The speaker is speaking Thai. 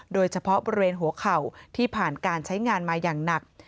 โดยเฉพาะบริเวณหัวเข่าที่ผ่านการใช้งานมาอย่างหนัก